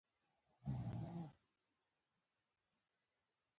د کور په لیدو بوخت و، نجونې هم را وېښې شوې وې.